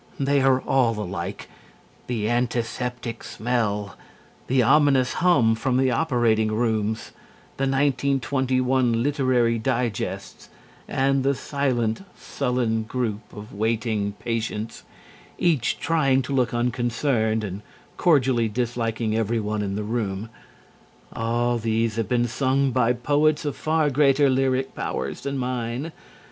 They are all alike. The antiseptic smell, the ominous hum from the operating rooms, the 1921 "Literary Digests," and the silent, sullen, group of waiting patients, each trying to look unconcerned and cordially disliking everyone else in the room, all these have been sung by poets of far greater lyric powers than mine.